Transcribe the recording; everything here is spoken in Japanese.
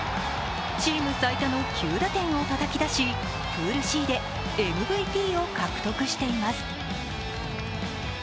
チーム最多の９打点をたたき出しプールＣでＭＶＰを獲得しています。